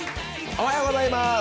おはようございます！